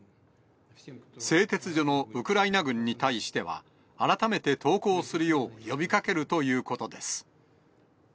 製鉄所のウクライナ軍に対しては、改めて投降するよう呼びかけるということです。